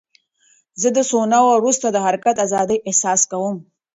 زه د سونا وروسته د حرکت ازادۍ احساس کوم.